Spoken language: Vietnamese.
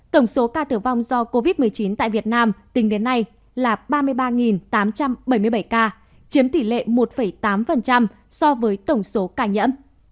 tổng số ca tử vong do covid một mươi chín tại việt nam tính đến nay là ba mươi ba tám trăm bảy mươi bảy ca chiếm tỷ lệ một tám so với tổng số ca nhiễm